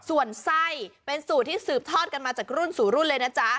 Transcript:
ส่วนไส้เป็นสูตรที่สืบทอดกันมาจากรุ่นสู่รุ่นเลยนะจ๊ะ